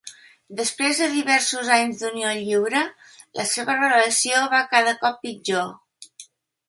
Després de diversos anys d'unió lliure, la seva relació va cada cop pitjor.